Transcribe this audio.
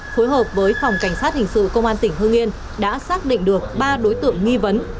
phối hợp với phòng cảnh sát hình sự công an tỉnh hương yên đã xác định được ba đối tượng nghi vấn